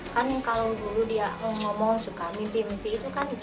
kan kalau dulu dia ngomong suka mimpi mimpi itu kan